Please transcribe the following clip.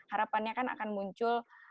harapannya akan muncul